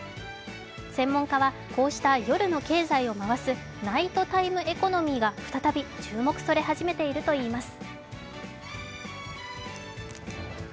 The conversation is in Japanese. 専門家はこうした夜の経済を回すナイトタイムエコノミーが再び注目され始めているといいます。